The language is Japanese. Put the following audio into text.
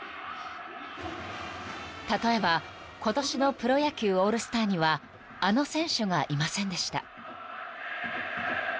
［例えば今年のプロ野球オールスターにはあの選手がいませんでした］